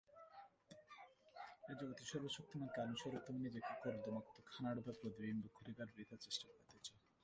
এই জগতের সর্বশক্তিমান কারণ-স্বরূপ তুমি নিজেকে কর্দমাক্ত খানাডোবায় প্রতিবিম্বিত করিবার বৃথা চেষ্টা করিতেছ।